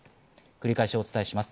繰り返しお伝えします。